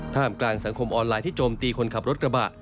กลางสังคมออนไลน์ที่โจมตีคนขับรถกระบะ